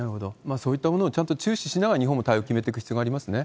そういったものをちゃんと注視しながら、日本も対応を決めていく必要がありますね。